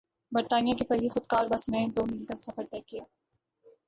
برطانیہ کی پہلی خودکار بس نے دو میل کا سفر طے کیا